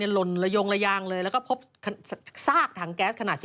ซึ่งตอน๕โมง๔๕นะฮะทางหน่วยซิวได้มีการยุติการค้นหาที่